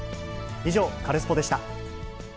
以上、カルスポっ！でした。